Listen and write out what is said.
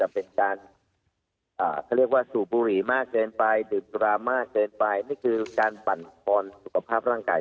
บุหรีมากเกินไปดึกร้ามาเกินไปนี่คือการปั่นฝนสุขภาพร่างกาย